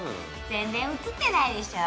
全然写ってないでしょ